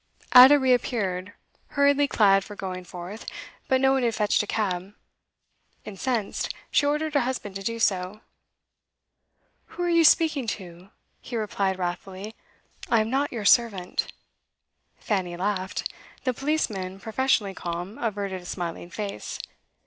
Ada reappeared, hurriedly clad for going forth; but no one had fetched a cab. Incensed, she ordered her husband to do so. 'Who are you speaking to?' he replied wrathfully. 'I am not your servant.' Fanny laughed. The policeman, professionally calm, averted a smiling face.